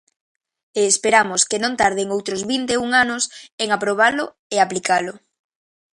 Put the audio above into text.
E esperamos que non tarden outros vinte e un anos en aprobalo e aplicalo.